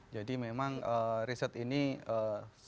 jadi memang riset ini seluruhnya